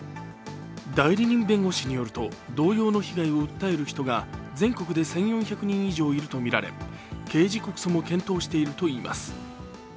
代理人弁護士によると同様の被害を訴える人が全国で１４００人以上いるとみられ刑事告訴も検討しているといいます。